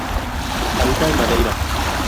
Habita en Madeira.